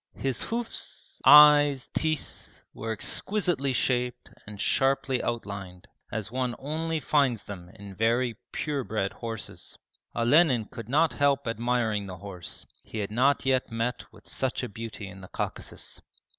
His hoofs, eyes, teeth, were exquisitely shaped and sharply outlined, as one only finds them in very pure bred horses. Olenin could not help admiring the horse, he had not yet met with such a beauty in the Caucasus.